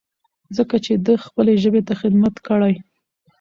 ځکه چې ده خپلې ژبې ته خدمت کړی.